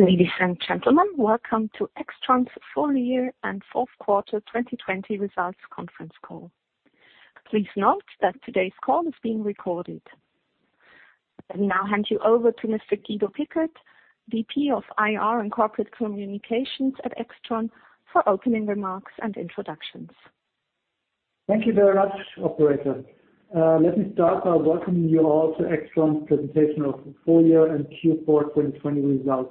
Ladies and gentlemen, welcome to AIXTRON's full-year and fourth quarter 2020 results conference call. Please note that today's call is being recorded. I now hand you over to Mr. Guido Pickert, VP of IR and Corporate Communications at AIXTRON, for opening remarks and introductions. Thank you very much, operator. Let me start by welcoming you all to AIXTRON's presentation of full-year and Q4 2020 results.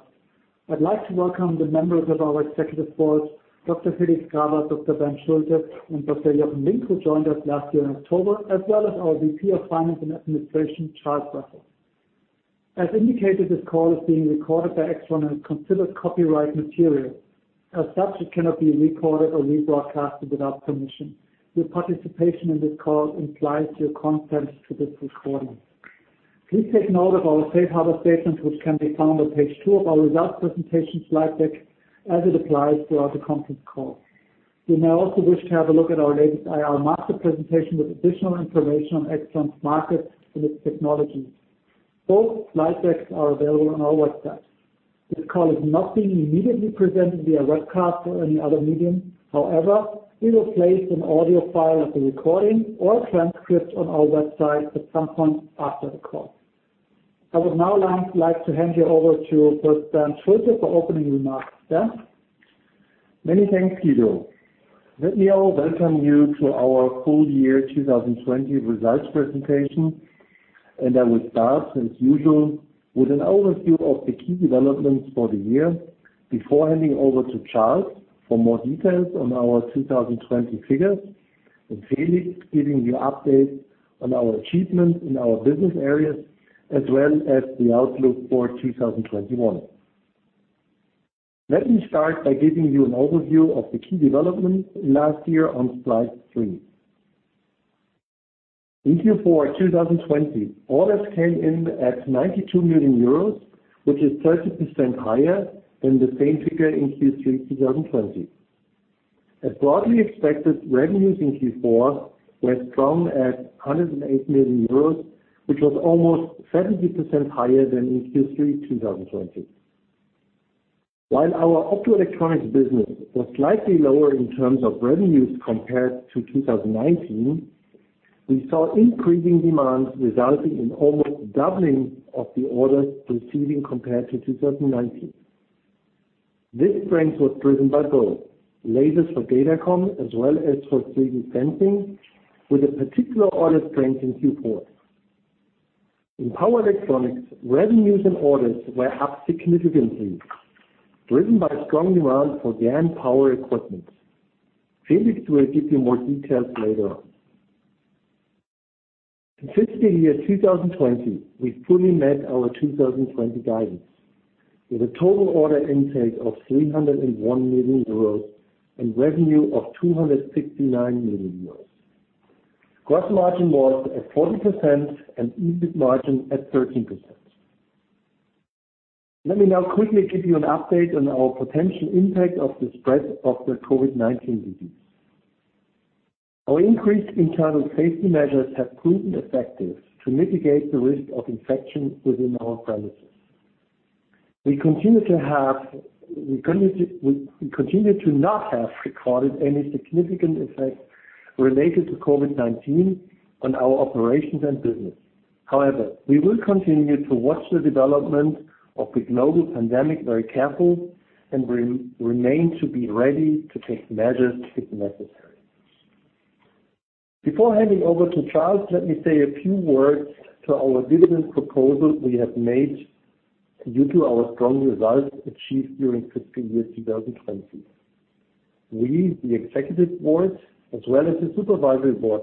I'd like to welcome the members of our Executive Board, Dr. Felix Grawert, Dr. Bernd Schulte, and Dr. Jochen Linck, who joined us last year in October, as well as our VP of Finance and Administration, Charles Russell. As indicated, this call is being recorded by AIXTRON and considered copyright material. As such, it cannot be recorded or rebroadcasted without permission. Your participation in this call implies your consent to this recording. Please take note of our safe harbor statement, which can be found on page two of our results presentation slide deck, as it applies throughout the conference call. You may also wish to have a look at our latest IR master presentation with additional information on AIXTRON's market and its technology. Both slide decks are available on our website. This call is not being immediately presented via webcast or any other medium. However, we will place an audio file of the recording or transcript on our website at some point after the call. I would now like to hand you over to Bernd Schulte for opening remarks. Bernd? Many thanks, Guido. Let me all welcome you to our full year 2020 results presentation. I will start as usual with an overview of the key developments for the year before handing over to Charles for more details on our 2020 figures, and Felix giving you updates on our achievements in our business areas, as well as the outlook for 2021. Let me start by giving you an overview of the key developments last year on slide three. In Q4 2020, orders came in at 92 million euros, which is 30% higher than the same figure in Q3 2020. As broadly expected, revenues in Q4 were strong at 108 million euros, which was almost 70% higher than in Q3 2020. While our optoelectronics business was slightly lower in terms of revenues compared to 2019, we saw increasing demands resulting in almost doubling of the orders receiving compared to 2019. This strength was driven by both lasers for Datacom as well as for 3D sensing with a particular order strength in Q4. In power electronics, revenues and orders were up significantly, driven by strong demand for GaN power equipment. Felix will give you more details later on. Fiscal year 2020, we fully met our 2020 guidance with a total order intake of 301 million euros and revenue of 269 million euros. Gross margin was at 40% and EBIT margin at 13%. Let me now quickly give you an update on our potential impact of the spread of the COVID-19 disease. Our increased internal safety measures have proven effective to mitigate the risk of infection within our premises. We continue to not have recorded any significant effect related to COVID-19 on our operations and business. However, we will continue to watch the development of the global pandemic very careful and remain to be ready to take measures if necessary. Before handing over to Charles, let me say a few words to our dividend proposal we have made due to our strong results achieved during fiscal year 2020. We, the executive board, as well as the supervisory board,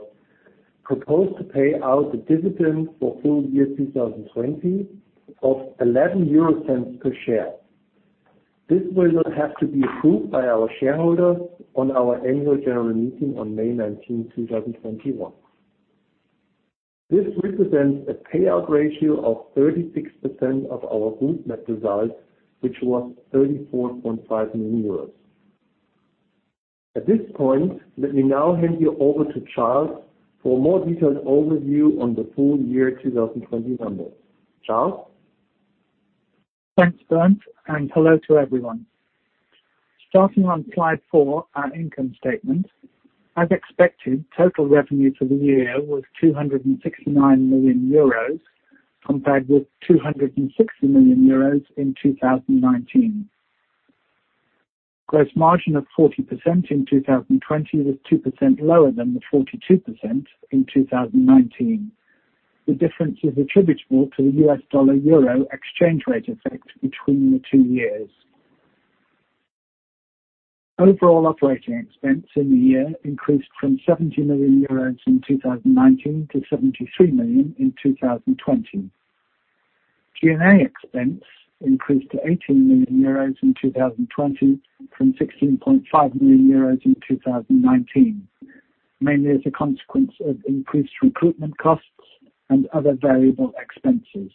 propose to pay out the dividend for full year 2020 of 0.11 per share. This will have to be approved by our shareholders on our annual general meeting on May 19, 2021. This represents a payout ratio of 36% of our group net results, which was 34.5 million euros. At this point, let me now hand you over to Charles for a more detailed overview on the full year 2020 numbers. Charles? Thanks, Bernd, hello to everyone. Starting on slide four, our income statement. As expected, total revenue for the year was 269 million euros compared with 260 million euros in 2019. Gross margin of 40% in 2020 was 2% lower than the 42% in 2019. The difference is attributable to the US dollar/euro exchange rate effect between the two years. Overall operating expense in the year increased from 70 million euros in 2019 to 73 million in 2020. G&A expense increased to 18 million euros in 2020 from 16.5 million euros in 2019, mainly as a consequence of increased recruitment costs and other variable expenses.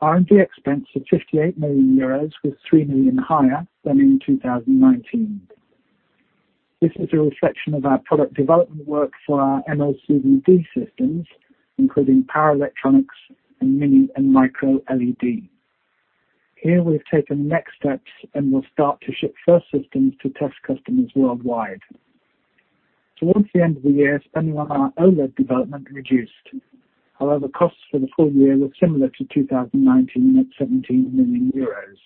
R&D expense of 58 million euros was 3 million higher than in 2019. This is a reflection of our product development work for our MOCVD systems, including power electronics and mini LED and microLED. Here we've taken next steps and will start to ship first systems to test customers worldwide. Towards the end of the year, spending on our OLED development reduced. However, costs for the full year were similar to 2019 at 17 million euros.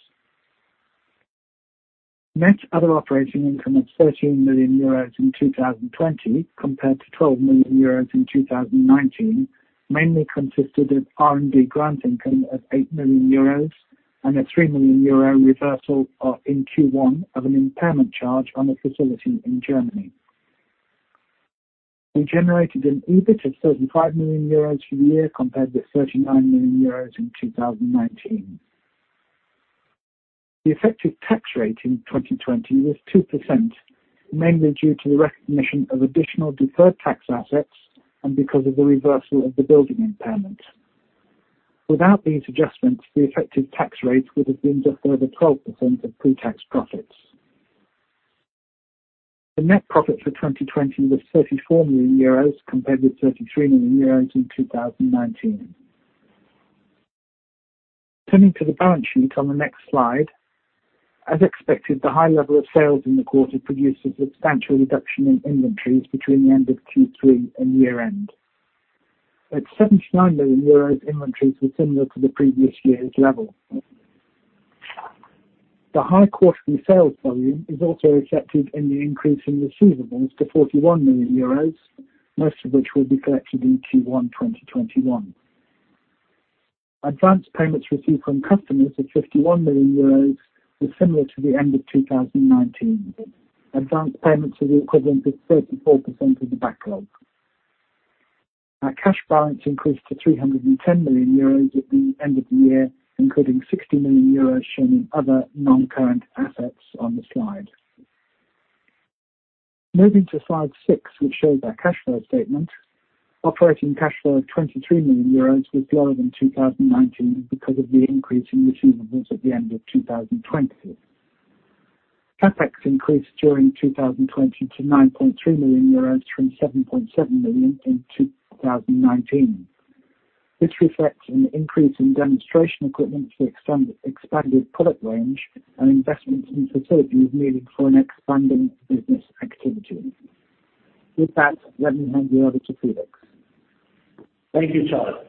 Net other operating income of 13 million euros in 2020 compared to 12 million euros in 2019, mainly consisted of R&D grant income of 8 million euros and a 3 million euro reversal in Q1 of an impairment charge on a facility in Germany. We generated an EBIT of 35 million euros for the year, compared with 39 million euros in 2019. The effective tax rate in 2020 was 2%, mainly due to the recognition of additional deferred tax assets and because of the reversal of the building impairment. Without these adjustments, the effective tax rate would have been just over 12% of pre-tax profits. The net profit for 2020 was 34 million euros compared with 33 million euros in 2019. Turning to the balance sheet on the next slide. As expected, the high level of sales in the quarter produced a substantial reduction in inventories between the end of Q3 and year-end. At 79 million euros, inventories were similar to the previous year's level. The high quarterly sales volume is also reflected in the increase in receivables to 41 million euros, most of which will be collected in Q1 2021. Advance payments received from customers of 51 million euros were similar to the end of 2019. Advance payments are equivalent to 34% of the backlog. Our cash balance increased to 310 million euros at the end of the year, including 60 million euros shown in other non-current assets on the slide. Moving to slide six, which shows our cash flow statement. Operating cash flow of 23 million euros was lower than 2019 because of the increase in receivables at the end of 2020. CapEx increased during 2020 to 9.3 million from 7.7 million in 2019, which reflects an increase in demonstration equipment for expanded product range and investments in facilities needed for an expanding business activity. With that, let me hand you over to Felix. Thank you, Charles.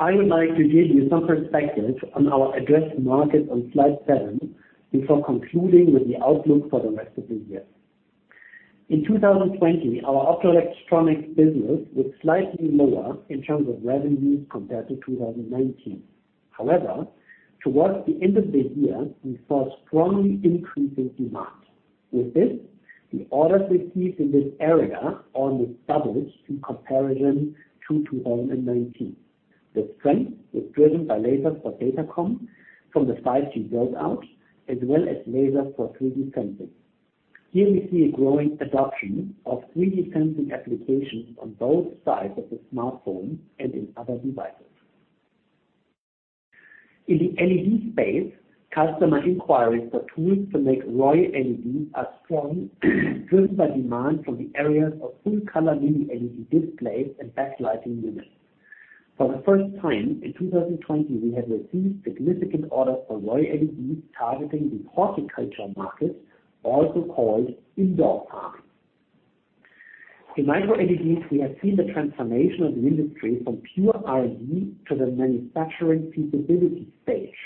I would like to give you some perspective on our address market on slide seven before concluding with the outlook for the rest of the year. In 2020, our optoelectronics business was slightly lower in terms of revenues compared to 2019. Towards the end of the year, we saw strongly increasing demand. With this, the orders received in this area almost doubled in comparison to 2019. The strength was driven by lasers for Datacom from the 5G build-out, as well as lasers for 3D sensing. Here we see a growing adoption of 3D sensing applications on both sides of the smartphone and in other devices. In the LED space, customer inquiries for tools to make ROY LEDs are strong, driven by demand from the areas of full color mini LED displays and backlighting units. For the first time in 2020, we have received significant orders for royal blue LEDs targeting the horticulture market, also called indoor farming. In microLED, we have seen the transformation of the industry from pure R&D to the manufacturing feasibility stage,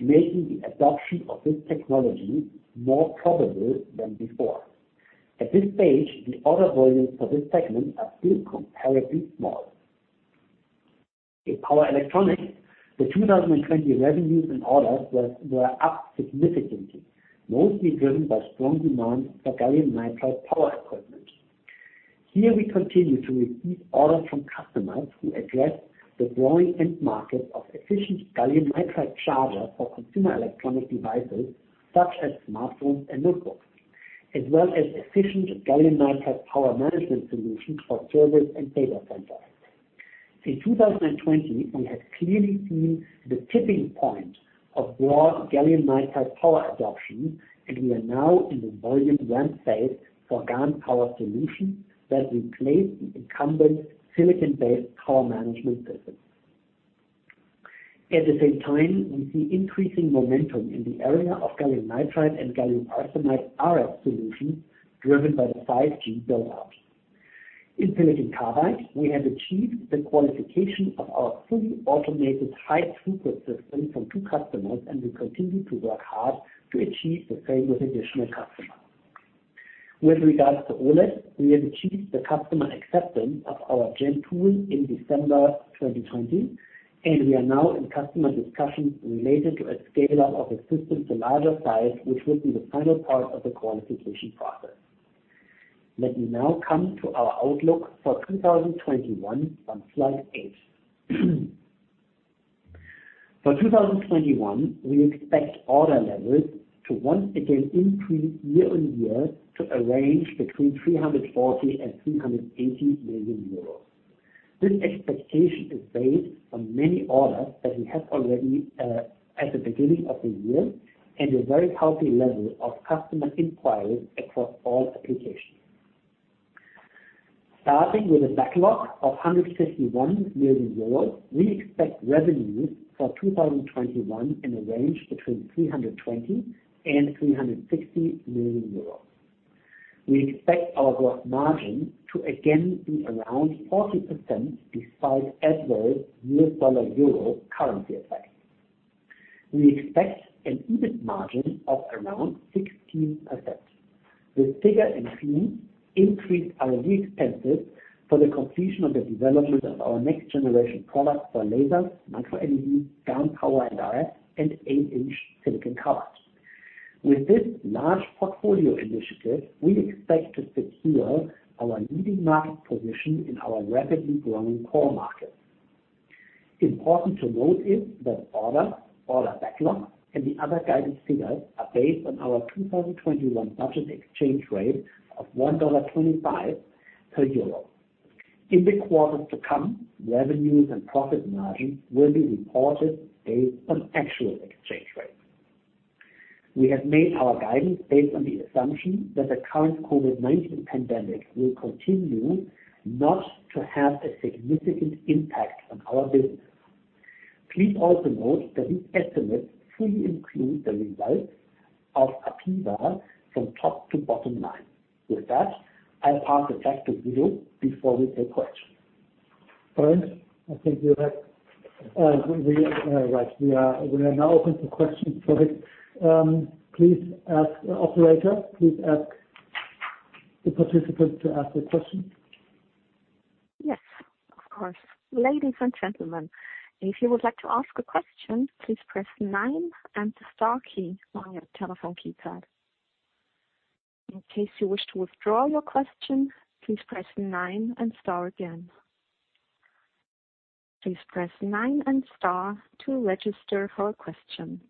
making the adoption of this technology more probable than before. At this stage, the order volumes for this segment are still comparatively small. In power electronics, the 2020 revenues and orders were up significantly, mostly driven by strong demand for gallium nitride power equipment. Here we continue to receive orders from customers who address the growing end market of efficient gallium nitride chargers for consumer electronic devices such as smartphones and notebooks, as well as efficient gallium nitride power management solutions for servers and data centers. In 2020, we have clearly seen the tipping point of broad gallium nitride power adoption. We are now in the volume ramp phase for GaN power solutions that replace the incumbent silicon-based power management systems. At the same time, we see increasing momentum in the area of gallium nitride and gallium arsenide RF solutions driven by the 5G build-out. In silicon carbide, we have achieved the qualification of our fully automated high-throughput system from two customers. We continue to work hard to achieve the same with additional customers. With regards to OLEDs, we have achieved the customer acceptance of our Gen2 tool in December 2020. We are now in customer discussions related to a scale-up of the system to larger size, which will be the final part of the qualification process. Let me now come to our outlook for 2021 on slide eight. For 2021, we expect order levels to once again increase year-on-year to a range between 340 million and 380 million euros. This expectation is based on many orders that we have already at the beginning of the year and a very healthy level of customer inquiries across all applications. Starting with a backlog of 151 million euros, we expect revenues for 2021 in a range between 320 million and 360 million euros. We expect our gross margin to again be around 40%, despite adverse U.S. dollar-euro currency effects. We expect an EBIT margin of around 16%. The figure increase our new expenses for the completion of the development of our next generation products for laser, microLED, GaN power and RF, and 8-inch silicon carbide. With this large portfolio initiative, we expect to secure our leading market position in our rapidly growing core markets. Important to note is that orders, order backlog, and the other guidance figures are based on our 2021 budget exchange rate of $1.25 per EUR. In the quarters to come, revenues and profit margins will be reported based on actual exchange rates. We have made our guidance based on the assumption that the current COVID-19 pandemic will continue not to have a significant impact on our business. Please also note that these estimates fully include the results of APEVA from top to bottom line. With that, I'll pass it back to Guido before we take questions. All right. I think we are now open for questions. Please ask, operator, please ask the participants to ask their questions. Yes, of course. Ladies and gentlemen, if you would like to ask a question, please press nine and the star key on your telephone keypad. In case you wish to withdraw your question, please press nine and star again. Please press nine and star to register for a question.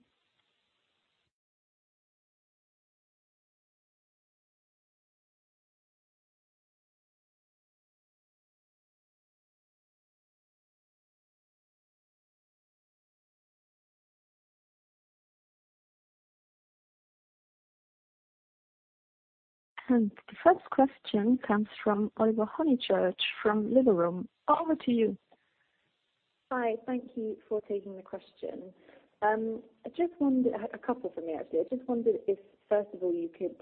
The first question comes from Olivia Honychurch from Liberum. Over to you. Hi. Thank you for taking the question. A couple from me, actually. I just wondered if, first of all, you could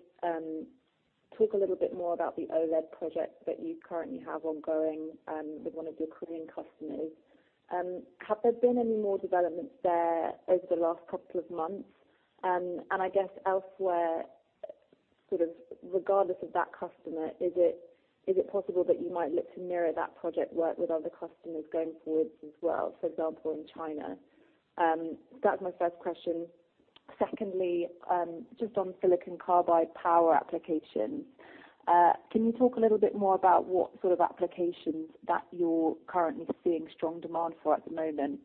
talk a little bit more about the OLED project that you currently have ongoing with one of your Korean customers. Have there been any more developments there over the last couple of months? I guess elsewhere, sort of regardless of that customer, is it possible that you might look to mirror that project work with other customers going forward as well, for example, in China? That's my first question. Secondly, just on silicon carbide power applications. Can you talk a little bit more about what sort of applications that you're currently seeing strong demand for at the moment?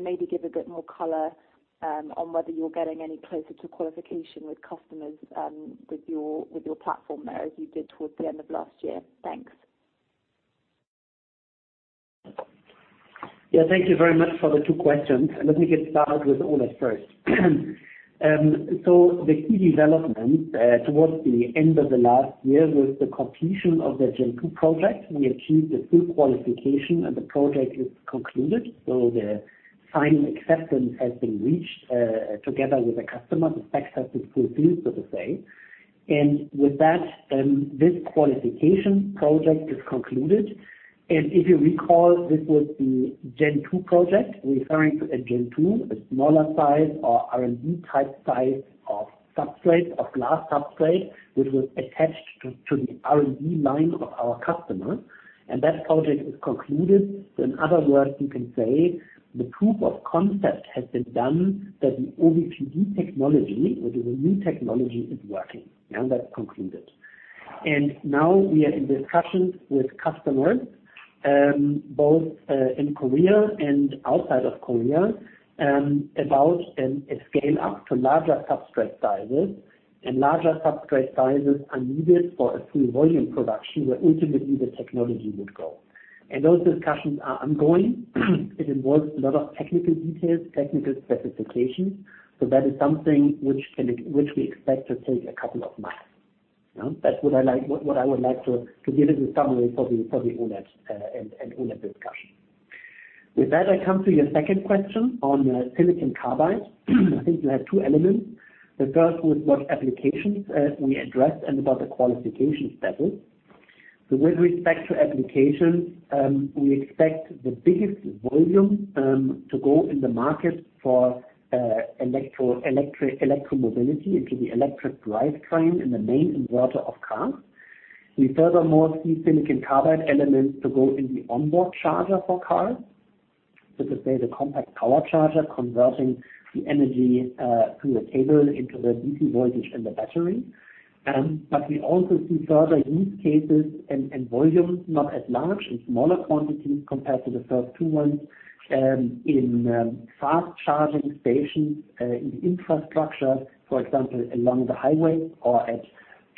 Maybe give a bit more color on whether you're getting any closer to qualification with customers with your platform there, as you did towards the end of last year. Thanks. Yeah, thank you very much for the two questions. Let me get started with OLED first. The key development towards the end of the last year was the completion of the Gen2 project. We achieved the full qualification and the project is concluded. The final acceptance has been reached, together with the customer. The specs have been fulfilled, so to say. With that, this qualification project is concluded. If you recall, this was the Gen2 project, referring to a Gen2, a smaller size or R&D type size of substrates, of glass substrates, which was attached to the R&D line of our customer. That project is concluded. In other words, you can say the proof of concept has been done that the OVPD technology, which is a new technology, is working. That concluded. Now we are in discussions with customers, both in Korea and outside of Korea, about a scale-up to larger substrate sizes. Larger substrate sizes are needed for a full volume production, where ultimately the technology would go. Those discussions are ongoing. It involves a lot of technical details, technical specifications. That is something which we expect to take a couple of months. That's what I would like to give as a summary for the OLED discussion. With that, I come to your second question on silicon carbide. I think you have two elements. The first was what applications we addressed and about the qualification status. With respect to applications, we expect the biggest volume to go in the market for electromobility, into the electric drivetrain in the main inverter of cars. We furthermore see silicon carbide elements to go in the onboard charger for cars. To say, the compact power charger converting the energy through a cable into the DC voltage in the battery. We also see further use cases and volumes, not as large, in smaller quantities compared to the first two ones, in fast charging stations, in infrastructure, for example, along the highway or at.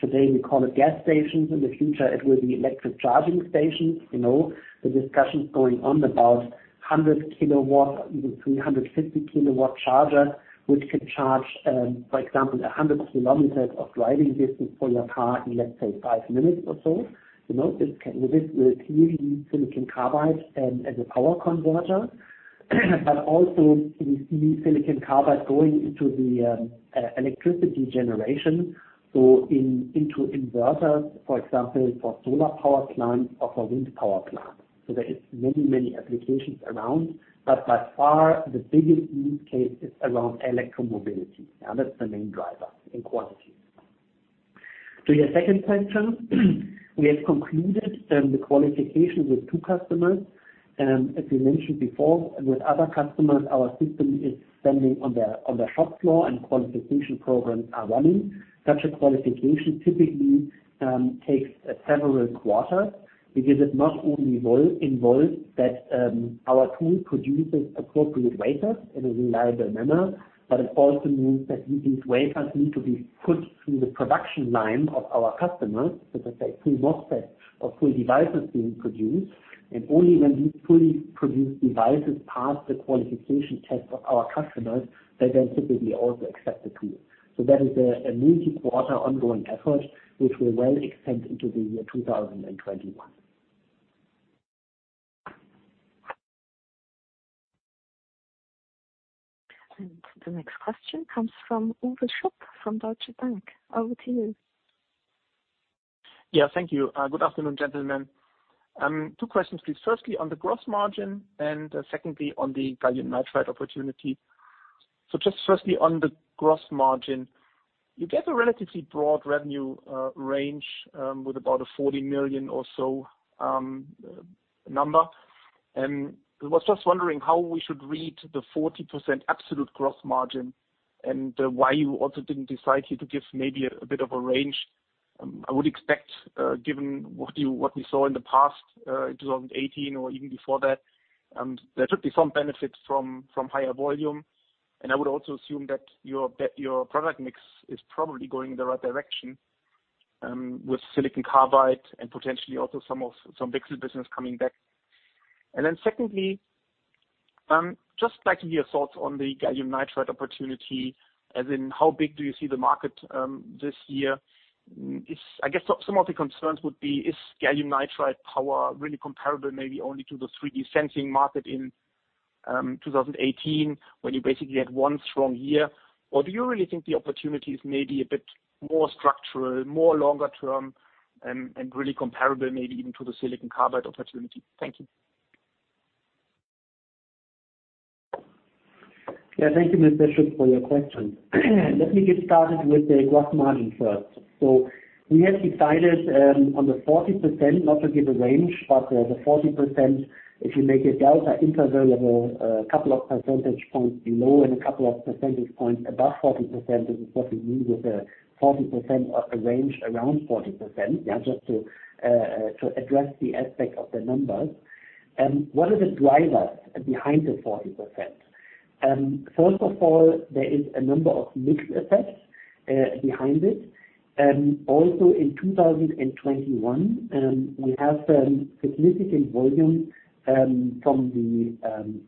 Today we call it gas stations. In the future, it will be electric charging stations. The discussions going on about 100 kilowatt, even 350 kilowatt charger, which can charge, for example, 100 kilometers of driving distance for your car in, let's say, five minutes or so. This will clearly need silicon carbide as a power converter. Also we see silicon carbide going into the electricity generation, so into inverters, for example, for solar power plant or for wind power plant. There is many applications around, but by far the biggest use case is around electromobility. Now, that's the main driver in quantities. To your second question, we have concluded the qualification with two customers. As we mentioned before, with other customers, our system is standing on the shop floor and qualification programs are running. Such a qualification typically takes several quarters because it not only involves that our tool produces appropriate wafers in a reliable manner, but it also means that these wafers need to be put through the production line of our customers. Let us say, full MOSFET or full devices being produced, and only when these fully produced devices pass the qualification test of our customers, they then typically also accept the tool. So that is a multi-quarter ongoing effort, which will well extend into the year 2021. The next question comes from Uwe Schupp from Deutsche Bank. Over to you. Yeah, thank you. Good afternoon, gentlemen. Two questions, please. Firstly, on the gross margin, and secondly, on the gallium nitride opportunity. Just firstly, on the gross margin. You gave a relatively broad revenue range, with about a 40 million or so number. I was just wondering how we should read the 40% absolute gross margin and why you also didn't decide here to give maybe a bit of a range. I would expect, given what we saw in the past, 2018 or even before that, there should be some benefit from higher volume. I would also assume that your product mix is probably going in the right direction, with silicon carbide and potentially also some VCSEL business coming back. Secondly, just like to hear your thoughts on the gallium nitride opportunity, as in how big do you see the market this year? I guess some of the concerns would be, is gallium nitride power really comparable, maybe only to the 3D sensing market in 2018, when you basically had one strong year? Do you really think the opportunity is maybe a bit more structural, more longer term, and really comparable maybe even to the silicon carbide opportunity? Thank you. Thank you, Mr. Schupp, for your question. Let me get started with the gross margin first. We have decided on the 40%, not to give a range, but the 40%, if you make a delta interval of a couple of percentage points below and a couple of percentage points above 40%, this is what we mean with a 40% or a range around 40%, just to address the aspect of the numbers. What are the drivers behind the 40%? First of all, there is a number of mix effects behind it. Also in 2021, we have significant volume from the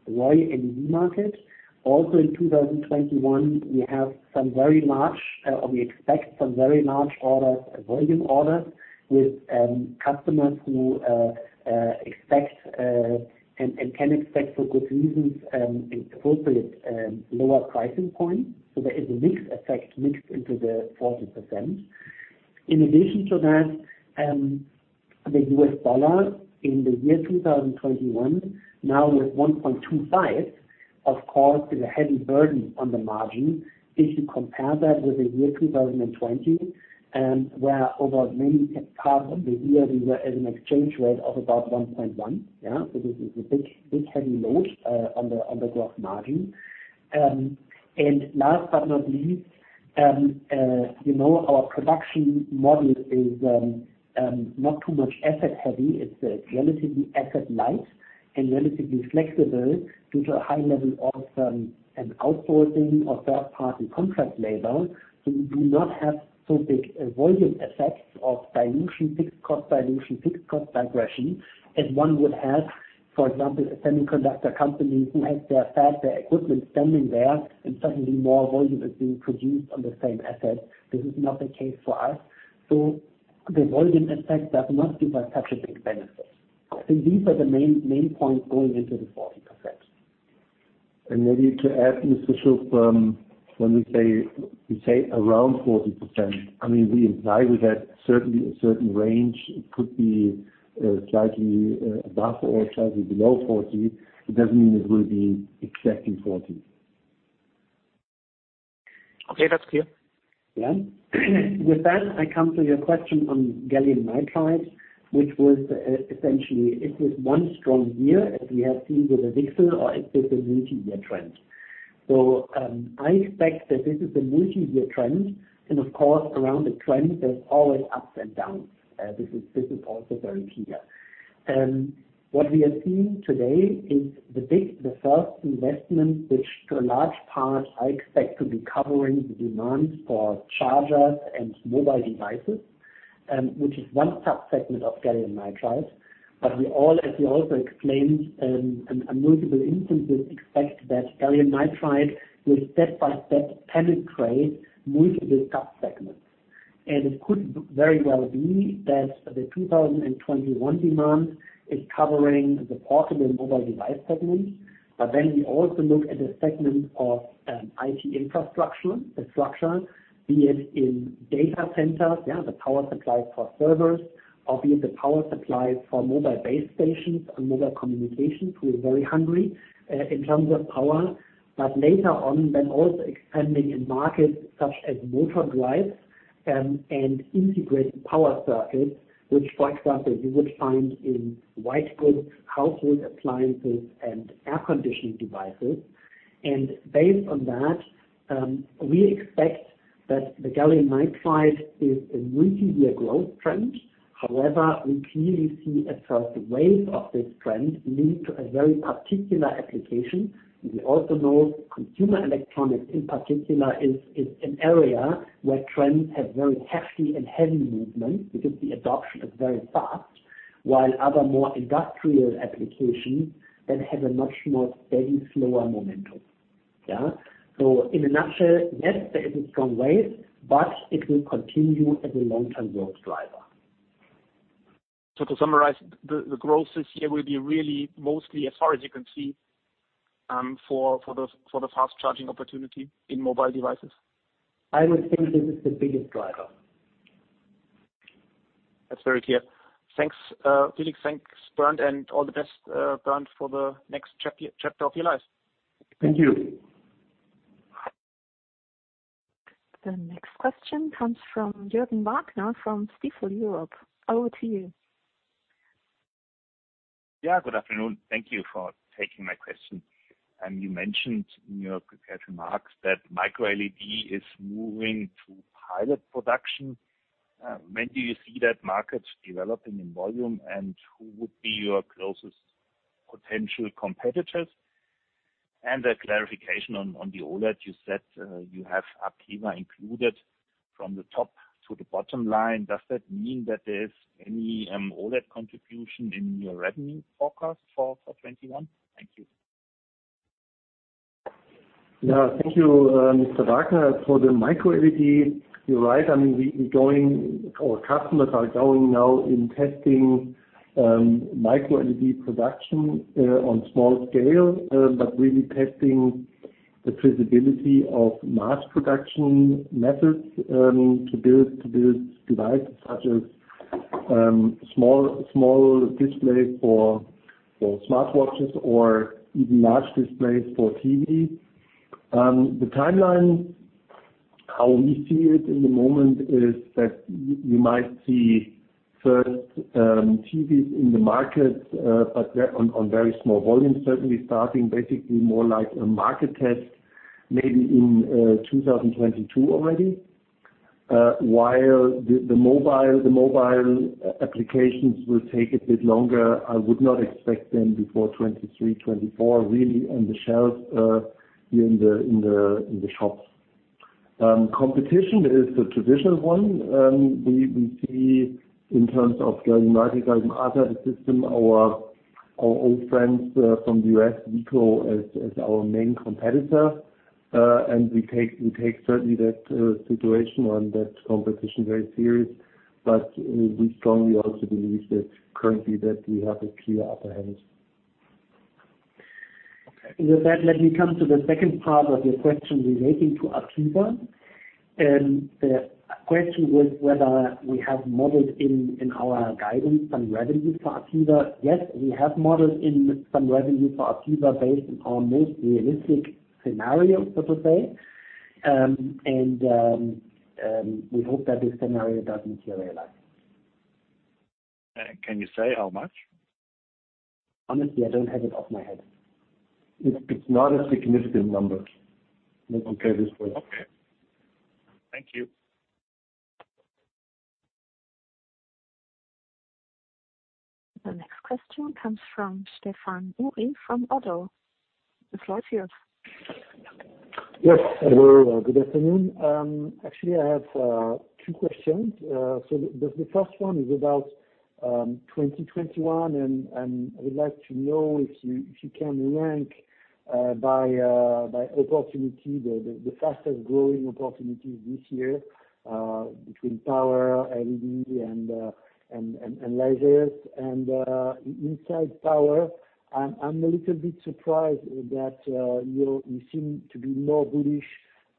ROY LED market. Also in 2021, we expect some very large orders, volume orders, with customers who expect, and can expect for good reasons, appropriate lower pricing points. There is a mix effect mixed into the 40%. The U.S. dollar in 2021, now with 1.25, of course, is a heavy burden on the margin if you compare that with 2020, where, over many parts of the year, we were at an exchange rate of about 1.1. This is a big, heavy load on the gross margin. Last but not least, our production model is not too much asset heavy. It's relatively asset-light and relatively flexible due to a high level of an outsourcing or third-party contract labor. We do not have so big volume effects of dilution, fixed cost dilution, fixed cost regression, as one would have, for example, a semiconductor company who has their fab, their equipment standing there, and suddenly more volume is being produced on the same asset. This is not the case for us. The volume effect does not give us such a big benefit. I think these are the main points going into the 40%. Maybe to add, Mr. Schupp, when we say around 40%, we imply with that certainly a certain range. It could be slightly above or slightly below 40%. It doesn't mean it will be exactly 40%. Okay. That's clear. Yeah. With that, I come to your question on gallium nitride, which was essentially, is this one strong year as we have seen with the VCSEL, or is this a multi-year trend? I expect that this is a multi-year trend. Of course, around a trend, there's always ups and downs. This is also very clear. What we are seeing today is the first investment, which to a large part, I expect to be covering the demand for chargers and mobile devices, which is one sub-segment of gallium nitride. As we also explained in multiple instances, expect that gallium nitride will step by step penetrate multiple sub-segments. It could very well be that the 2021 demand is covering the portable mobile device segment. We also look at the segment of IT infrastructure, be it in data centers, the power supply for servers, or be it the power supply for mobile base stations and mobile communication, who are very hungry in terms of power. Later on, also expanding in markets such as motor drives and integrated power circuits, which, for example, you would find in white goods, household appliances, and air conditioning devices. Based on that, we expect that the gallium nitride is a multi-year growth trend. However, we clearly see a first wave of this trend linked to a very particular application. We also know consumer electronics, in particular, is an area where trends have very hefty and heavy movement because the adoption is very fast. While other, more industrial applications have a much more steady, slower momentum. In a nutshell, yes, there is a strong wave, but it will continue as a long-term growth driver. To summarize, the growth this year will be really mostly, as far as you can see, for the fast charging opportunity in mobile devices? I would think this is the biggest driver. That's very clear. Thanks, Felix, thanks, Bernd, and all the best, Bernd, for the next chapter of your life. Thank you. The next question comes from Jürgen Wagner from Stifel Europe. Over to you. Yeah, good afternoon. Thank you for taking my question. You mentioned in your prepared remarks that microLED is moving to pilot production. When do you see that market developing in volume, and who would be your closest potential competitors? A clarification on the OLED. You said you have APEVA included from the top to the bottom line. Does that mean that there's any OLED contribution in your revenue forecast for 2021? Thank you. Yeah, thank you, Mr. Wagner, for the microLED. You're right. Our customers are going now in testing microLED production on small scale, but really testing the feasibility of mass production methods to build devices such as small displays for smartwatches or even large displays for TVs. The timeline, how we see it in the moment, is that you might see first TVs in the market, but they're on very small volumes, certainly starting basically more like a market test maybe in 2022 already. While the mobile applications will take a bit longer. I would not expect them before 2023, 2024, really on the shelf here in the shops. Competition is the traditional one. We see in terms of gallium nitride and other systems, our old friends from the U.S., Veeco, as our main competitor. We take certainly that situation and that competition very serious. We strongly also believe that currently that we have a clear upper hand. With that, let me come to the second part of your question relating to APEVA. The question was whether we have modeled in our guidance some revenue for APEVA. Yes, we have modeled in some revenue for APEVA based on most realistic scenario, so to say. We hope that this scenario does materialize. Can you say how much? Honestly, I don't have it off my head. It's not a significant number. Okay. Thank you. The next question comes from Stéphane Houri from ODDO. The floor is yours. Yes. Hello, good afternoon. Actually, I have two questions. The first one is about 2021, and I would like to know if you can rank by opportunity, the fastest-growing opportunities this year, between power, LED, and lasers. Inside power, I'm a little bit surprised that you seem to be more bullish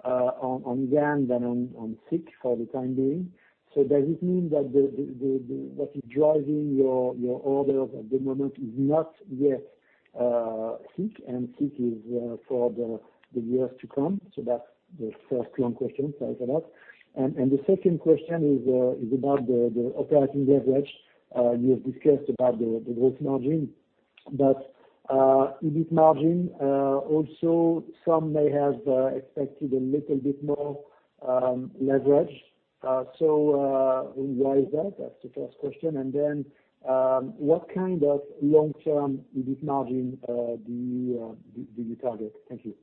on GaN than on SiC for the time being. Does it mean that what is driving your orders at the moment is not yet SiC and SiC is for the years to come? That's the first long question. Sorry for that. The second question is about the operating leverage. You have discussed about the gross margin EBIT margin, also some may have expected a little bit more leverage. Why is that? That's the first question. What kind of long-term EBIT margin do you target? Thank you.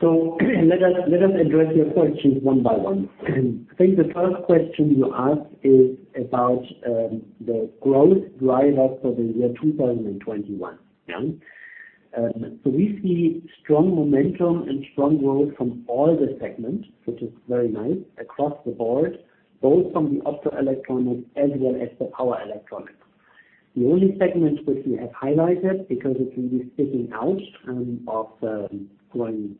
Let us address your questions one by one. I think the first question you asked is about the growth drivers for the year 2021. We see strong momentum and strong growth from all the segments, which is very nice, across the board, both from the optoelectronics as well as the power electronics. The only segment which we have highlighted, because it really sticking out and growing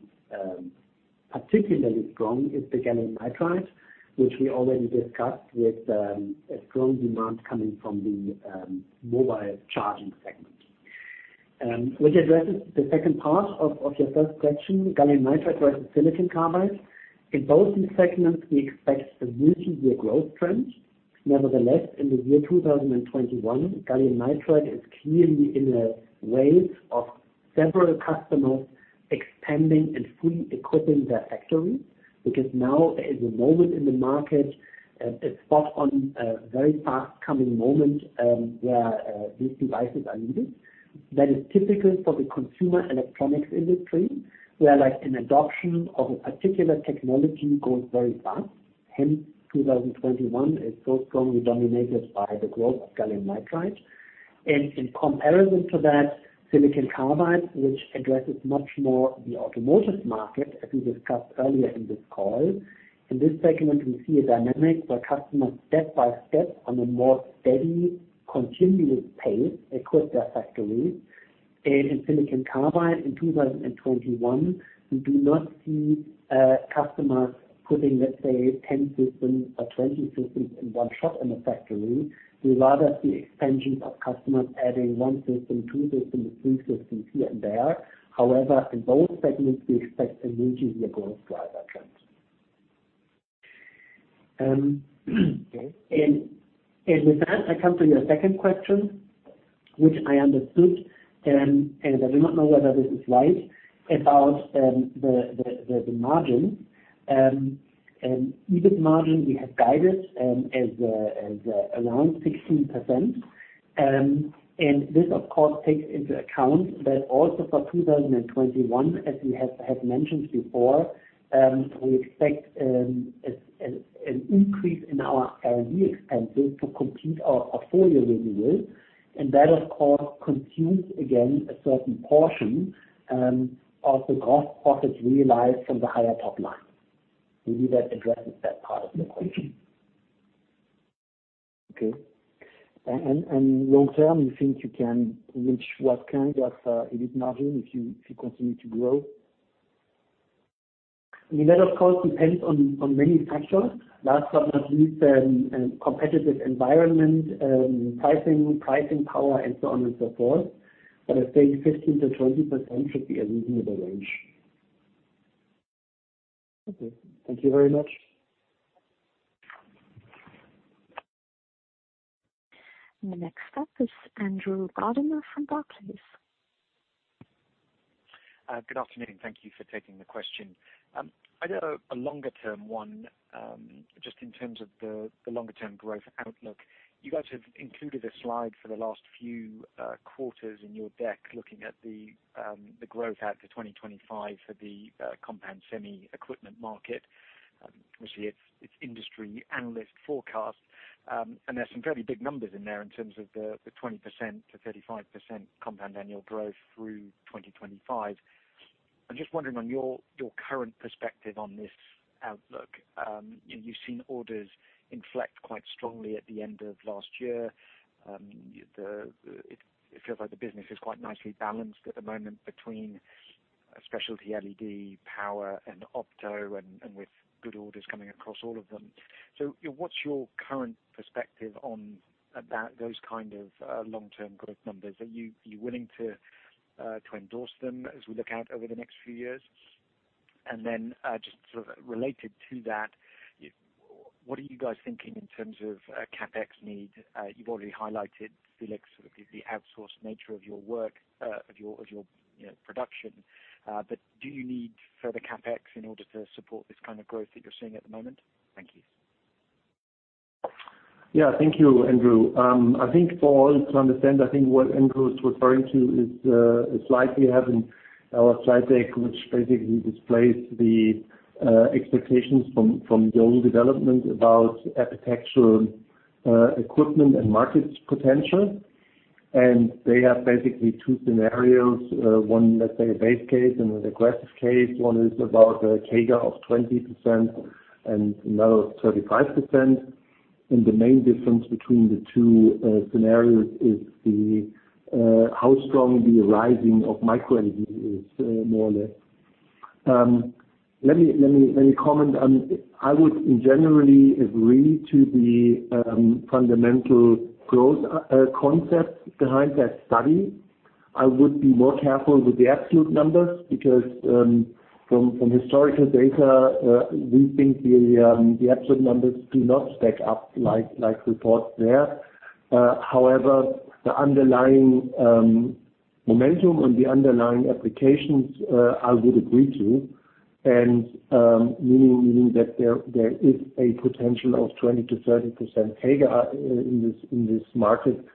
particularly strong, is the gallium nitride, which we already discussed with a strong demand coming from the mobile charging segment. Which addresses the second part of your first question, gallium nitride versus silicon carbide. In both these segments, we expect a year-to-year growth trend. Nevertheless, in the year 2021, gallium nitride is clearly in a wave of several customers expanding and fully equipping their factories. Because now is a moment in the market, a spot on a very fast-coming moment, where these devices are needed. That is typical for the consumer electronics industry, where an adoption of a particular technology goes very fast. 2021 is so strongly dominated by the growth of gallium nitride. In comparison to that, silicon carbide, which addresses much more the automotive market, as we discussed earlier in this call. In this segment, we see a dynamic where customers step by step, on a more steady, continuous pace, equip their factories. In silicon carbide in 2021, we do not see customers putting, let's say, 10 systems or 20 systems in one shot in a factory. We rather see expansions of customers adding one system, two systems, three systems here and there. However, in both segments, we expect a year-to-year growth driver trend. With that, I come to your second question, which I understood, and I do not know whether this is right, about the margin. EBIT margin we have guided as around 16%. This of course, takes into account that also for 2021, as we have mentioned before, we expect an increase in our R&D expenses to complete our portfolio renewal. That, of course, consumes, again, a certain portion of the gross profits realized from the higher top line. Maybe that addresses that part of the equation. Okay. Long term, you think you can reach what kind of EBIT margin if you continue to grow? That, of course, depends on many factors. Last but not least, competitive environment, pricing power, and so on and so forth. I think 15%-20% should be a reasonable range. Okay. Thank you very much. Next up is Andrew Gardiner from Barclays. Good afternoon. Thank you for taking the question. I got a longer-term one, just in terms of the longer-term growth outlook. You guys have included a slide for the last few quarters in your deck, looking at the growth out to 2025 for the compound semi equipment market. It's industry analyst forecast. There's some fairly big numbers in there in terms of the 20%-35% compound annual growth through 2025. I'm just wondering on your current perspective on this outlook. You've seen orders inflect quite strongly at the end of last year. It feels like the business is quite nicely balanced at the moment between specialty LED power and opto, and with good orders coming across all of them. What's your current perspective on those kind of long-term growth numbers? Are you willing to endorse them as we look out over the next few years? Just sort of related to that, what are you guys thinking in terms of CapEx need? You've already highlighted, Felix, sort of the outsourced nature of your production. Do you need further CapEx in order to support this kind of growth that you're seeing at the moment? Thank you. Yeah. Thank you, Andrew. I think for all to understand, I think what Andrew is referring to is a slide we have in our slide deck, which basically displays the expectations from Yole Développement about epitaxial equipment and markets potential. They have basically two scenarios. One, let's say a base case and an aggressive case. One is about a CAGR of 20% and another of 35%. The main difference between the two scenarios is how strong the rising of microLED is, more or less. Let me comment. I would generally agree to the fundamental growth concept behind that study. I would be more careful with the absolute numbers because, from historical data, we think the absolute numbers do not stack up like reports there. However, the underlying momentum and the underlying applications, I would agree to, and meaning that there is a potential of 20%-30% CAGR in this market,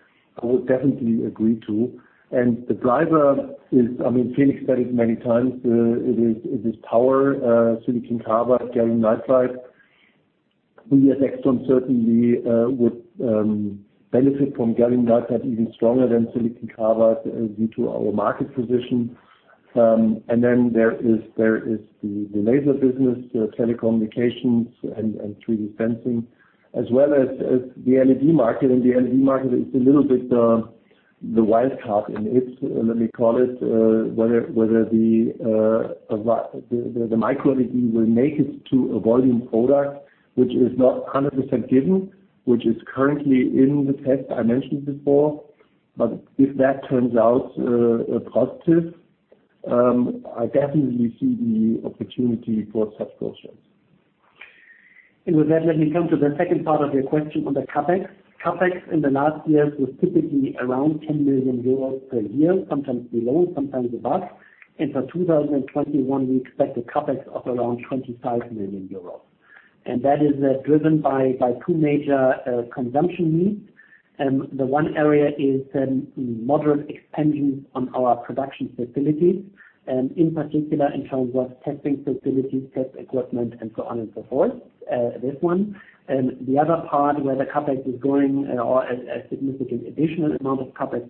I would definitely agree to. The driver is, Felix said it many times, it is power, silicon carbide, gallium nitride. We at AIXTRON certainly would benefit from gallium nitride even stronger than silicon carbide due to our market position. Then there is the laser business, telecommunications, and 3D sensing, as well as the LED market. The LED market is a little bit the wild card in it, let me call it, whether the microLED will make it to a volume product, which is not 100% given, which is currently in the test I mentioned before. If that turns out positive, I definitely see the opportunity for such growth rates. With that, let me come to the second part of your question on the CapEx. CapEx in the last years was typically around 10 million euros per year, sometimes below, sometimes above. For 2021, we expect a CapEx of around 25 million euros. That is driven by two major consumption needs. The one area is moderate expansion on our production facilities, and in particular, in terms of testing facilities, test equipment, and so on and so forth. This one. The other part where the CapEx is going, or a significant additional amount of CapEx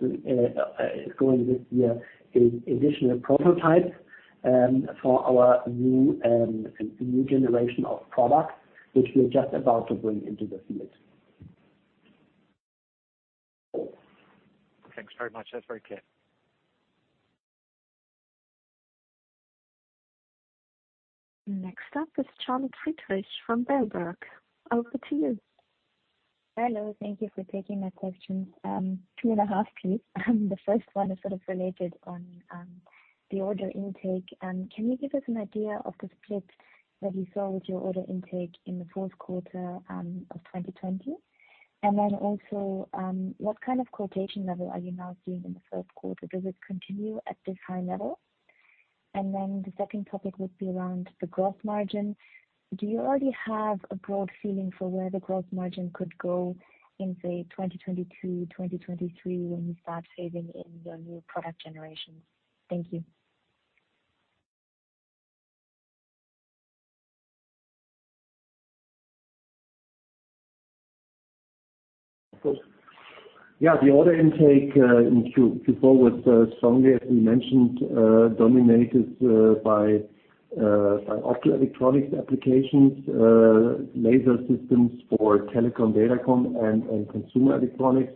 is going this year, is additional prototypes for our new generation of products, which we're just about to bring into the field. Thanks very much. That's very clear. Next up is Charlotte Friedrichs from Berenberg. Over to you. Hello. Thank you for taking my questions. 2.5, please. The first one is sort of related on the order intake. Can you give us an idea of the split that you saw with your order intake in the fourth quarter of 2020? Also, what kind of quotation level are you now seeing in the first quarter? Does it continue at this high level? The second topic would be around the gross margin. Do you already have a broad feeling for where the gross margin could go in, say, 2022, 2023, when you start phasing in your new product generation? Thank you. Of course. Yeah, the order intake in Q4 was strongly, as we mentioned, dominated by optoelectronics applications, laser systems for telecom, datacom, and consumer electronics.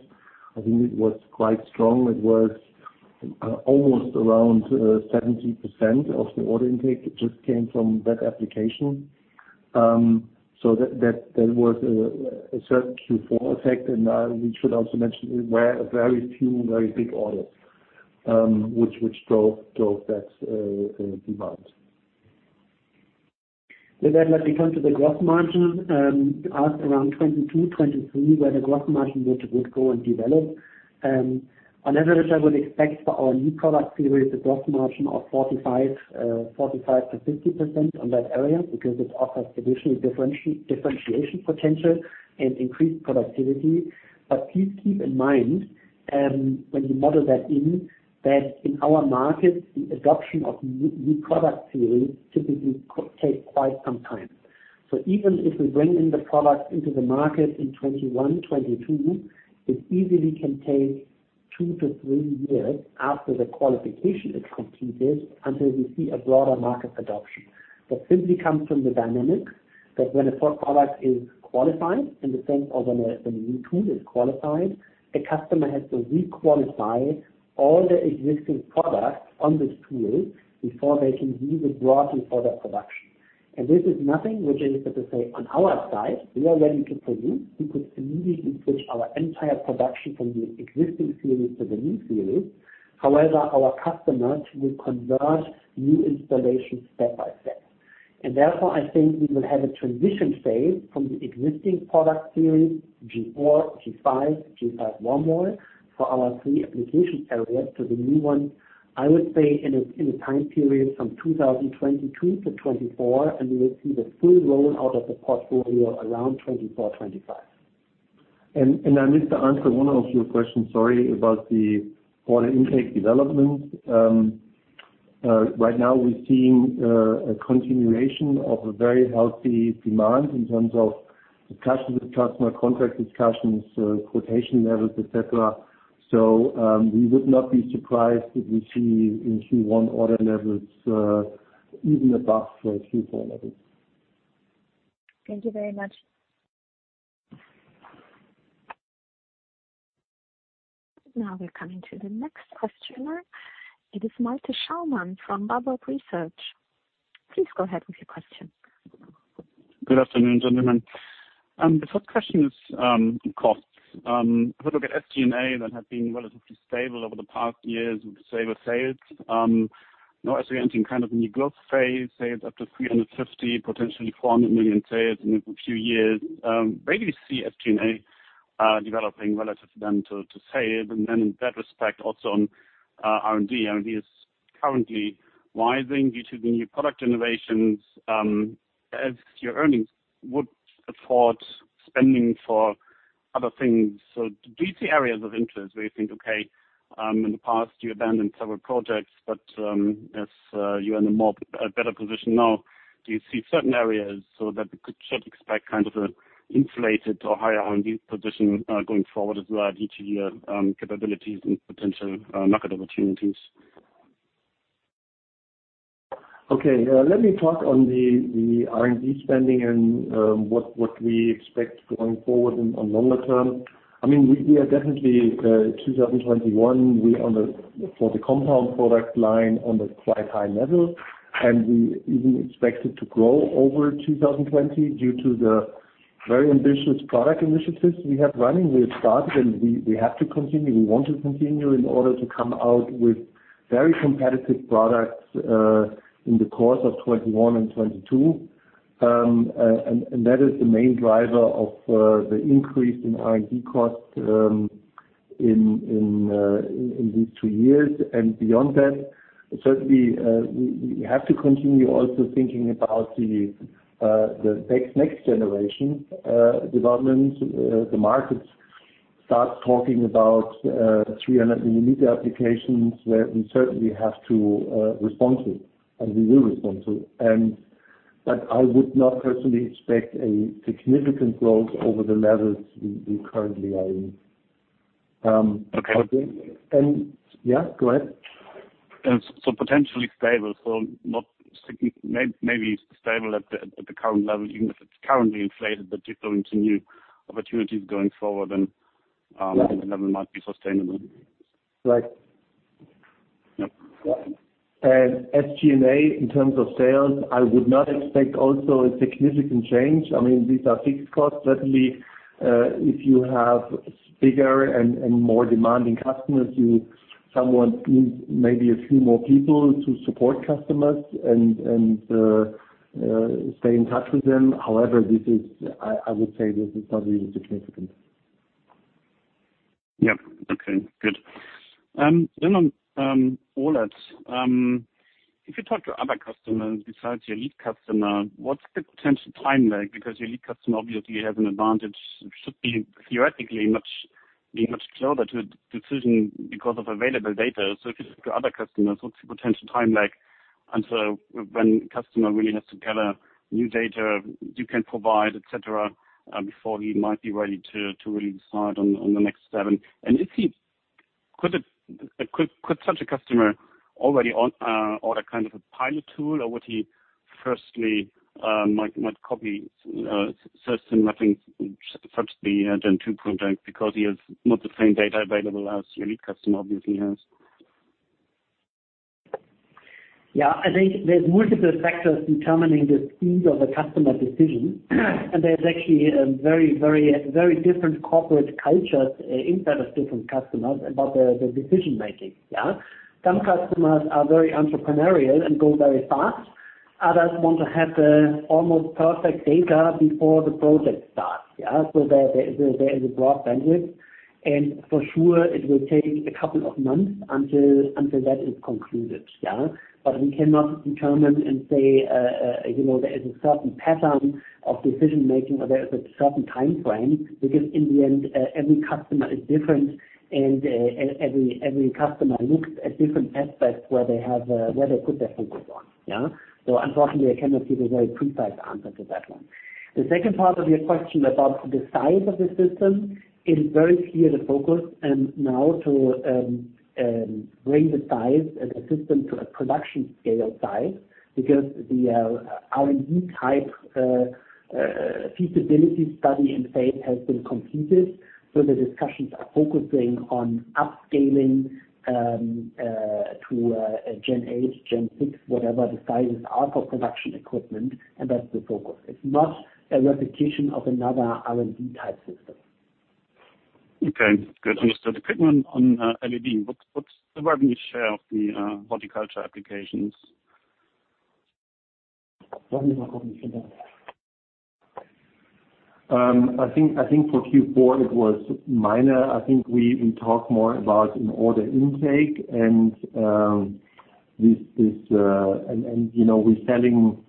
I think it was quite strong. It was almost around 70% of the order intake just came from that application. That was a certain Q4 effect, and we should also mention there were a very few, very big orders, which drove that demand. With that, let me come to the gross margin. You asked around 2022, 2023, where the gross margin would go and develop. On average, I would expect for our new product series, a gross margin of 45%-50% on that area, because it offers additional differentiation potential and increased productivity. Please keep in mind, when you model that in, that in our markets, the adoption of new product series typically takes quite some time. Even if we bring in the product into the market in 2021, 2022, it easily can take two to three years after the qualification is completed until we see a broader market adoption. That simply comes from the dynamic that when a product is qualified, in the sense of when a new tool is qualified, the customer has to re-qualify all the existing products on this tool before they can use it broadly for their production. This is nothing, which is to say on our side, we are ready to produce. We could immediately switch our entire production from the existing series to the new series. However, our customers will convert new installations step by step. Therefore, I think we will have a transition phase from the existing product series, G4, G5, AIX G5 WW, for our three application areas to the new one, I would say in a time period from 2022 to 2024, and we will see the full roll-out of the portfolio around 2024, 2025. I missed to answer one of your questions, sorry, about the order intake development. Right now, we're seeing a continuation of a very healthy demand in terms of customer contract discussions, quotation levels, et cetera. I would not be surprised if we see in Q1 order levels even above Q4 levels. Thank you very much. Now we're coming to the next questioner. It is Malte Schaumann from Warburg Research. Please go ahead with your question. Good afternoon, gentlemen. The first question is cost. If we look at SG&A, that had been relatively stable over the past years with stable sales. Now, as we enter a new growth phase, sales up to 350 million, potentially 400 million sales in a few years, where do you see SG&A developing relative then to sales? In that respect, also on R&D. R&D is currently rising due to the new product innovations. As your earnings would afford spending for other things. Do you see areas of interest where you think, okay, in the past you abandoned several projects, but as you are in a better position now, do you see certain areas so that we should expect an inflated or higher R&D position going forward as well, due to your capabilities and potential market opportunities? Okay. Let me talk on the R&D spending and what we expect going forward on longer term. We are definitely, 2021, for the compound product line on a quite high level, and we even expect it to grow over 2020 due to the very ambitious product initiatives we have running. We have started, and we have to continue. We want to continue in order to come out with very competitive products in the course of 2021 and 2022. That is the main driver of the increase in R&D cost in these two years. Beyond that, certainly, we have to continue also thinking about the next generation development. The markets start talking about 300 millimeter applications, where we certainly have to respond to, and we will respond to. I would not personally expect a significant growth over the levels we currently are in. Okay. Yeah, go ahead. Potentially stable. Maybe stable at the current level, even if it's currently inflated, but you're going to new opportunities going forward, the level might be sustainable. Right. Yep. SG&A, in terms of sales, I would not expect also a significant change. These are fixed costs. Certainly, if you have bigger and more demanding customers, you somewhat need maybe a few more people to support customers and stay in touch with them. However, I would say this is not really significant. Yep. Okay, good. On OLED. If you talk to other customers besides your lead customer, what's the potential timeline? Because your lead customer obviously has an advantage, should be theoretically much closer to a decision because of available data. If you talk to other customers, what's the potential timeline until when customer really has to gather new data you can provide, et cetera, before he might be ready to really decide on the next step? Could such a customer already order a kind of a pilot tool, or would he firstly might copy certain mapping, such the Gen2 project, because he has not the same data available as your lead customer obviously has? Yeah, I think there's multiple factors determining the speed of the customer decision. There's actually a very different corporate culture inside of different customers about the decision-making. Yeah. Some customers are very entrepreneurial and go very fast. Others want to have the almost perfect data before the project starts. Yeah. There is a broad bandwidth. For sure, it will take a couple of months until that is concluded. Yeah. We cannot determine and say there is a certain pattern of decision-making or there is a certain timeframe, because in the end, every customer is different, and every customer looks at different aspects where they put their focus on. Yeah. Unfortunately, I cannot give a very precise answer to that one. The second part of your question about the size of the system, it is very clear the focus and now to bring the size and the system to a production scale size because the R&D type feasibility study and phase has been completed. The discussions are focusing on upscaling to Gen 8, Gen 6, whatever the sizes are for production equipment, and that's the focus. It's not a repetition of another R&D type system. Okay. Good. Understood. Quick one on LED. What's the revenue share of the horticulture applications? Let me have a look at that. I think for Q4 it was minor. I think we talk more about in order intake. We're selling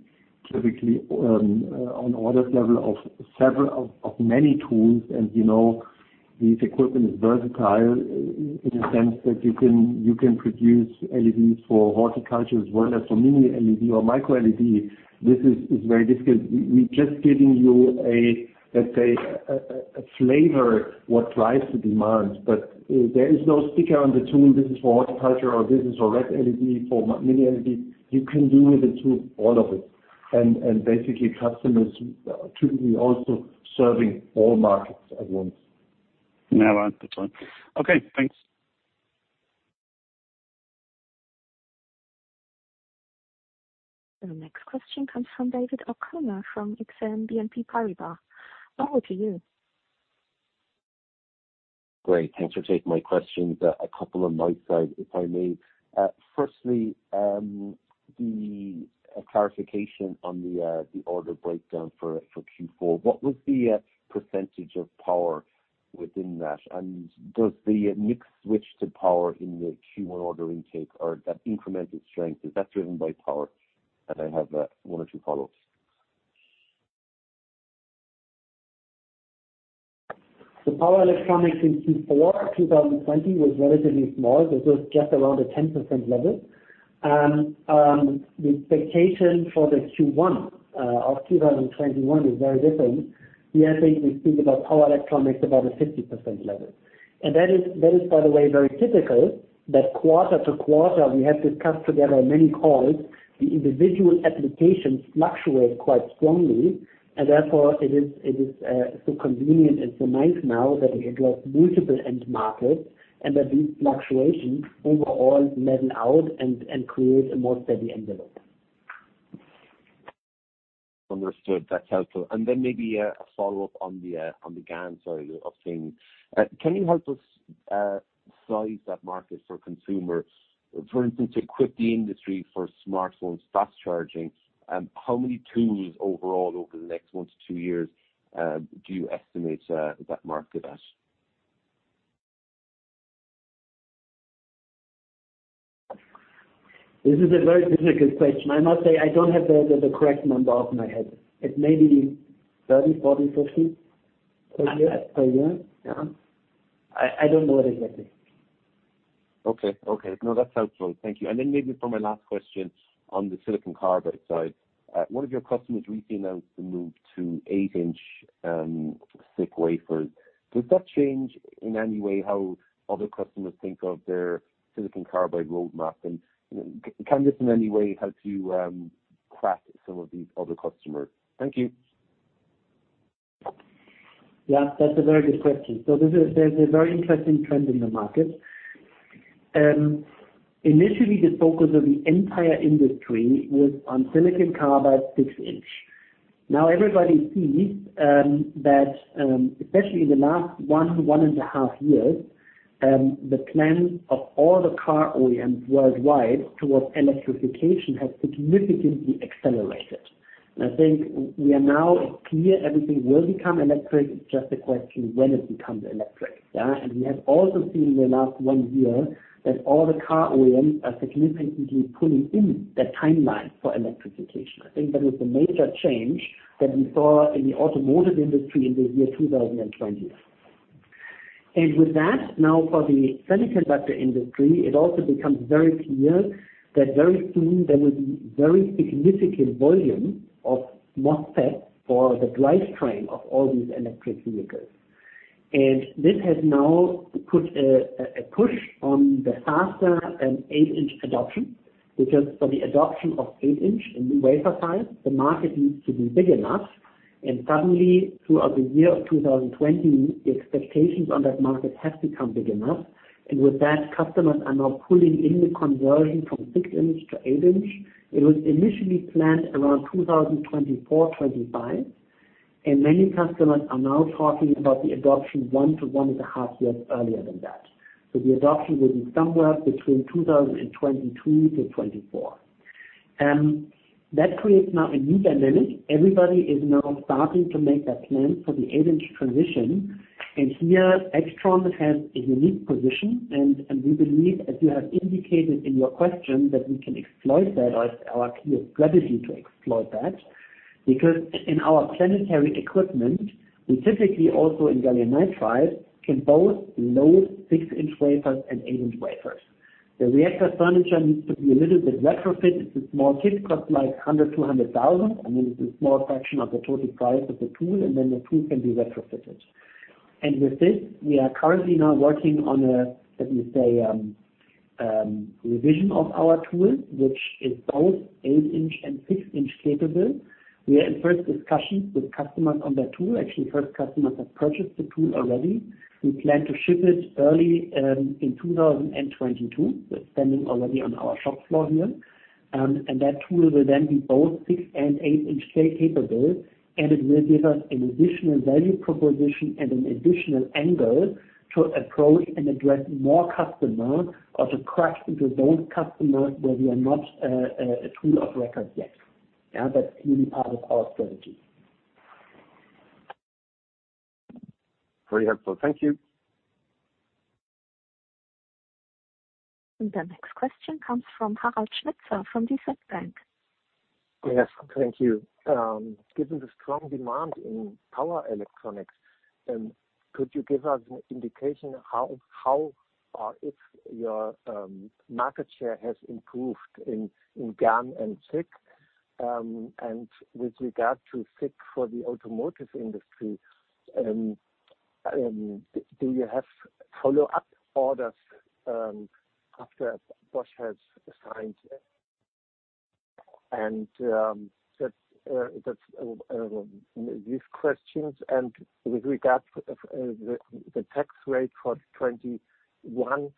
typically on orders level of many tools, and this equipment is versatile in the sense that you can produce LEDs for horticulture as well as for mini LED or microLED. This is very difficult. We're just giving you a, let's say, a flavor what drives the demand. There is no sticker on the tool, this is for horticulture or this is for red LED, for mini LED. You can do with the tool all of it. Basically, customers typically also serving all markets at once. Yeah. Right. That's right. Okay, thanks. The next question comes from David O'Connor from Exane BNP Paribas. Over to you. Great. Thanks for taking my questions. A couple of notes there, if I may. Firstly, the clarification on the order breakdown for Q4. What was the percentage of power within that? Does the mix switch to power in the Q1 order intake, or that incremental strength, is that driven by power? I have one or two follow-ups. The power electronics in Q4 2020 was relatively small. This was just around the 10% level. The expectation for the Q1 of 2021 is very different. Here, I think we speak about power electronics, about a 50% level. That is, by the way, very typical that quarter to quarter, we have discussed together many calls, the individual applications fluctuate quite strongly, and therefore it is so convenient and so nice now that we address multiple end markets, and that these fluctuations overall level out and create a more steady envelope. Understood. That's helpful. Maybe a follow-up on the GaN side of things. Can you help us size that market for consumer, for instance, equip the industry for smartphones, fast charging? How many tools overall over the next 1-2 years, do you estimate that market at? This is a very difficult question. I must say, I don't have the correct number off my head. It may be 30, 40, 50. Per year? Per year. Yeah. I don't know it exactly. Okay. No, that's helpful. Thank you. Maybe for my last question on the silicon carbide side. One of your customers recently announced the move to 8-inch SiC wafers. Does that change, in any way, how other customers think of their silicon carbide roadmap? Can this, in any way, help you crack some of these other customers? Thank you. Yeah, that's a very good question. There's a very interesting trend in the market. Initially, the focus of the entire industry was on silicon carbide 6-inch. Now, everybody sees that, especially in the last one to 1.5 years, the plans of all the car OEMs worldwide towards electrification have significantly accelerated. I think we are now clear everything will become electric, it's just a question of when it becomes electric. Yeah. We have also seen in the last one year that all the car OEMs are significantly pulling in that timeline for electrification. I think that is the major change that we saw in the automotive industry in the year 2020. With that, now for the semiconductor industry, it also becomes very clear that very soon there will be very significant volume of MOSFET for the drivetrain of all these electric vehicles. This has now put a push on the faster 8-inch adoption, because for the adoption of 8-inch in the wafer size, the market needs to be big enough, and suddenly, throughout the year of 2020, the expectations on that market have become big enough. With that, customers are now pulling in the conversion from 6-inch to 8-inch. It was initially planned around 2024-2025, and many customers are now talking about the adoption 1-1.5 years earlier than that. The adoption will be somewhere between 2022 to 2024. That creates now a new dynamic. Everybody is now starting to make their plans for the 8-inch transition. Here, AIXTRON has a unique position, and we believe, as you have indicated in your question, that we can exploit that or our clear strategy to exploit that. Because in our planetary equipment, we typically also in gallium nitride, can both load six-inch wafers and eight-inch wafers. The reactor furniture needs to be a little bit retrofit. It's a small kit, costs like 100,000, 200,000. This is a small fraction of the total price of the tool, and then the tool can be retrofitted. With this, we are currently now working on a, let me say, revision of our tool, which is both eight-inch and six-inch capable. We are in first discussions with customers on that tool. Actually, first customers have purchased the tool already. We plan to ship it early in 2022. It's standing already on our shop floor here. That tool will then be both 6-inch and 8-inch capable. It will give us an additional value proposition and an additional angle to approach and address more customers or to crack into those customers where we are not a tool of record yet. Yeah, that's really part of our strategy. Very helpful. Thank you. The next question comes from Harald Schnitzer from DZ Bank. Yes. Thank you. Given the strong demand in power electronics, could you give us an indication how or if your market share has improved in GaN and SiC? With regard to SiC for the automotive industry, do you have follow-up orders after Bosch has signed? That's these questions. With regard the tax rate for 2021,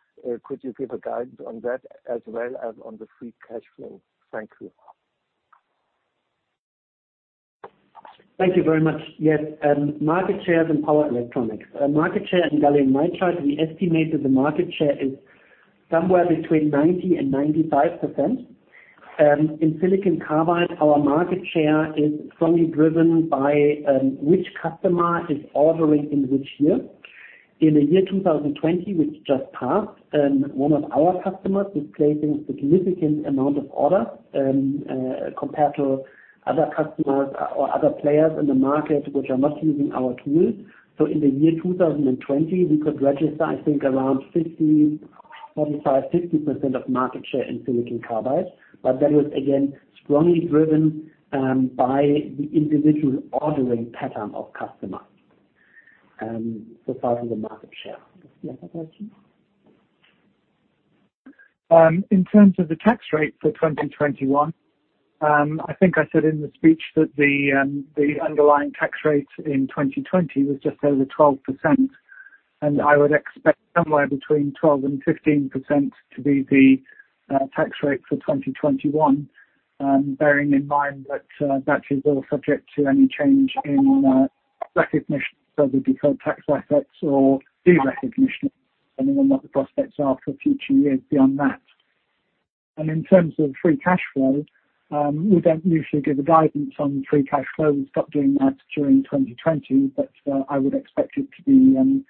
could you give a guidance on that as well as on the free cash flow? Thank you. Thank you very much. Yes. Market shares and power electronics. Market share and gallium nitride, we estimate that the market share is somewhere between 90%-95%. In silicon carbide, our market share is strongly driven by which customer is ordering in which year. In the year 2020, which just passed, one of our customers is placing significant amount of order, compared to other customers or other players in the market, which are not using our tools. In the year 2020, we could register, I think, around 45%-50% of market share in silicon carbide. That was, again, strongly driven by the individual ordering pattern of customers. Far from the market share. In terms of the tax rate for 2021, I think I said in the speech that the underlying tax rate in 2020 was just over 12%, and I would expect somewhere between 12% and 15% to be the tax rate for 2021, bearing in mind that is all subject to any change in recognition, whether deferred tax assets or derecognition, depending on what the prospects are for future years beyond that. In terms of free cash flow, we don't usually give a guidance on free cash flow. We stopped doing that during 2020. I would expect it to be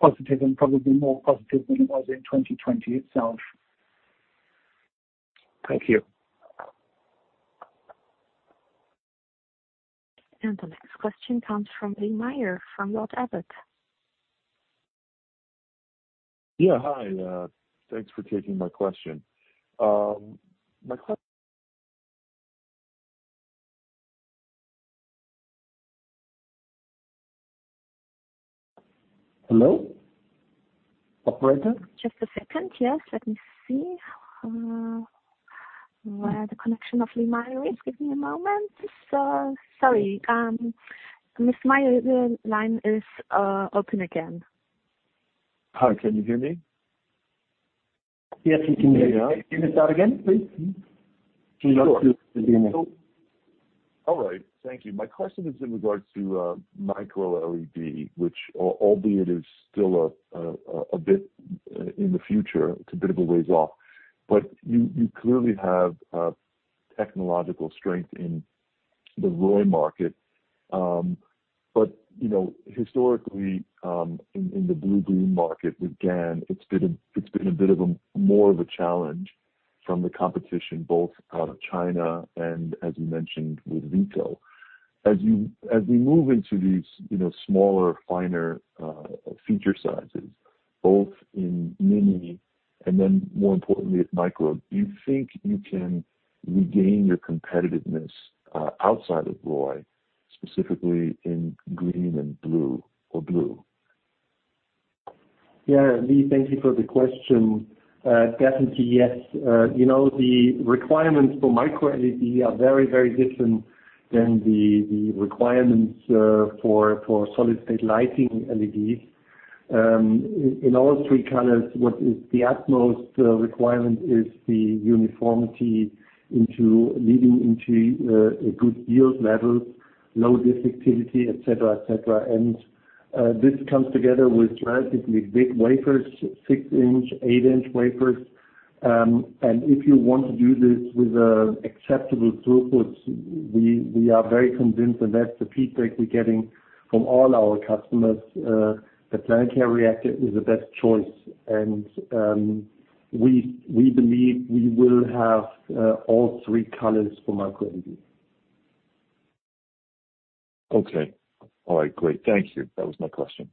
positive and probably more positive than it was in 2020 itself. Thank you. The next question comes from Lee Meyer from Lord Abbett Yeah. Hi. Thanks for taking my question. Hello? Operator? Just a second. Yes. Let me see where the connection of Lee Meyer is. Give me a moment. Sorry. Mr. Meyer, the line is open again. Hi. Can you hear me? Yes, we can hear you. Can you start again, please? Sure. All right. Thank you. My question is in regard to microLED, which, albeit is still a bit in the future. It's a bit of a ways off. You clearly have technological strength in the ROY market. Historically, in the blue-green market with GaN, it's been a bit of a more of a challenge from the competition both out of China and, as you mentioned, with Veeco. As we move into these smaller, finer feature sizes, both in mini and then more importantly with microLED, do you think you can regain your competitiveness outside of ROY, specifically in green and blue or blue? Yeah, Lee, thank you for the question. Definitely, yes. The requirements for microLED are very different than the requirements for solid state lighting LEDs. In all three colors, what is the utmost requirement is the uniformity leading into a good yield level, low defectivity, et cetera. This comes together with relatively big wafers, 6-inch, 8-inch wafers. If you want to do this with acceptable throughputs, we are very convinced, and that's the feedback we're getting from all our customers, the Planetary Reactor is the best choice. We believe we will have all three colors for microLED. Okay. All right. Great. Thank you. That was my question.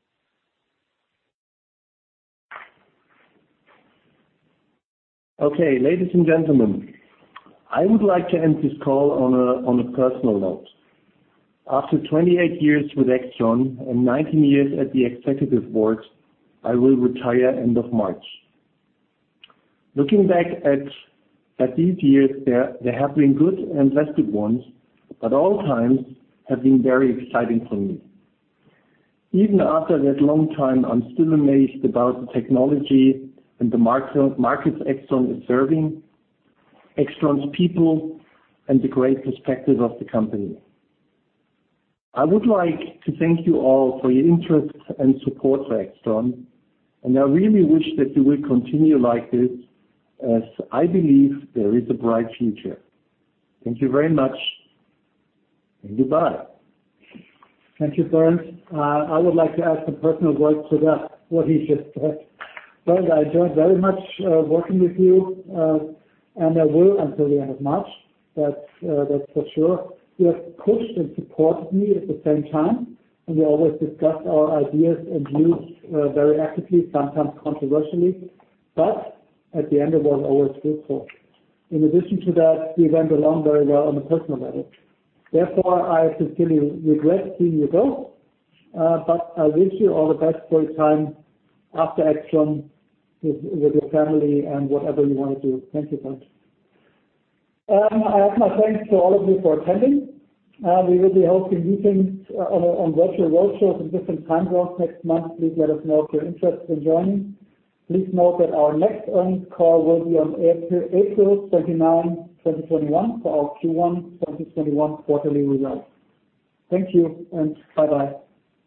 Okay. Ladies and gentlemen, I would like to end this call on a personal note. After 28 years with AIXTRON and 19 years at the Executive Board, I will retire end of March. Looking back at these years, there have been good and less good ones, but all times have been very exciting for me. Even after that long time, I'm still amazed about the technology and the markets AIXTRON is serving, AIXTRON's people, and the great perspective of the company. I would like to thank you all for your interest and support for AIXTRON, and I really wish that you will continue like this, as I believe there is a bright future. Thank you very much, and goodbye. Thank you, Bernd. I would like to add some personal words to that, what he just said. Bernd, I enjoyed very much working with you, and I will until the end of March. That's for sure. You have pushed and supported me at the same time, and we always discussed our ideas and views very actively, sometimes controversially. At the end, it was always fruitful. In addition to that, we went along very well on a personal level. Therefore, I sincerely regret seeing you go, but I wish you all the best for your time after AIXTRON with your family and whatever you want to do. Thank you, Bernd. I ask my thanks to all of you for attending. We will be hosting meetings on virtual roadshows in different time zones next month. Please let us know if you're interested in joining. Please note that our next earnings call will be on April 29th, 2021, for our Q1 2021 quarterly results. Thank you, and bye-bye